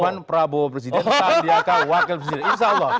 zaman prabowo presiden sandiaka wakil presiden insya allah